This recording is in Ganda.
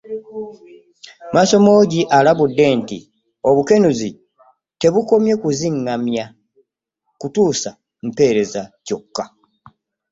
Maasomoogi alabudde nti obukenuzi tebukomye kuzingamya kutuusa mpeereza kyokka